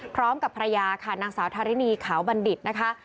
พร้อมกับภรรยาค่ะนางสาวทารินีขาวบัณฑิตนะคะ